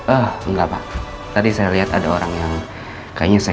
ah enggak pak tadi saya lihat ada orang yang kayaknya saya